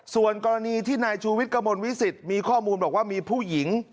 ส่วนกรณีที่นายชูวิทย์กระมวลวิสิตมีข้อมูลบอกว่ามีผู้หญิง